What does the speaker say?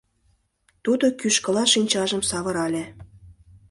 Тудо кӱшкыла шинчажым савырале.